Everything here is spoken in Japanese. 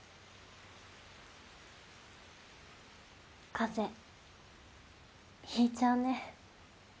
風邪ひいちゃうね。